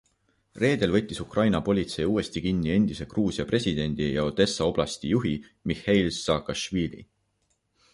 Reedel võttis Ukraina politsei uuesti kinni endise Gruusia presidendi ja Odessa oblasti juhi Mihheil Saakašvili.